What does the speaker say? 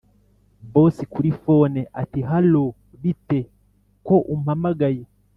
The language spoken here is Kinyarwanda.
boss kuri phone ati”hallo bite ko umpamagaye?”